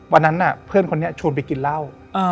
วันนั้นเพื่อนคนนี้ชวนไปกินเหล้า